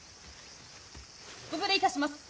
・ご無礼いたします。